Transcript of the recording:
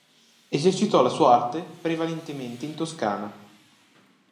Esercitò la sua arte prevalentemente in Toscana.